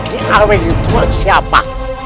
kiawe itu buat siapa